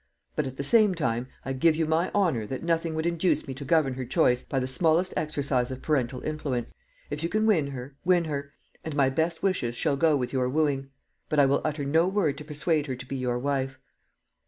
But, at the same time, I give you my honour that nothing would induce me to govern her choice by the smallest exercise of parental influence. If you can win her, win her, and my best wishes shall go with your wooing; but I will utter no word to persuade her to be your wife."